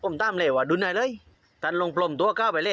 ผมต้องเลยว่าดูนอ่ะเลยไปอย่างมันปริศนาทุกว่าต้องปลวงตัวให้เลย